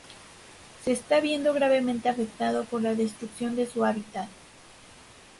Se está viendo gravemente afectado por la destrucción de su hábitat.